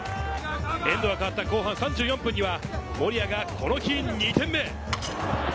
エンドがかわった後半３４分には守屋がこの日２点目。